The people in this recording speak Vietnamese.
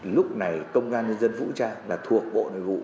lúc này công an nhân dân vũ trang là thuộc bộ nội vụ